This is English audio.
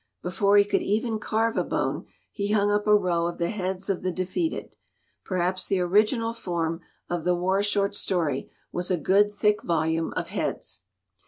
Before he could even carve a bone he hung up a row of the heads of the defeated. Per haps the original form of the war short story was a good, thick volume of heads.